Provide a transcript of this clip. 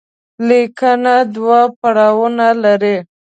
ليکنه دوه پړاوونه لري.